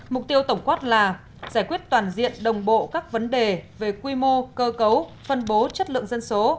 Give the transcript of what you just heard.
mục tiêu tổng quát là giải quyết toàn diện đồng bộ các vấn đề về quy mô cơ cấu phân bố chất lượng dân số